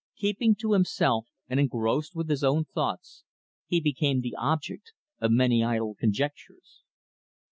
Keeping to himself, and engrossed with his own thoughts, he became the object of many idle conjectures.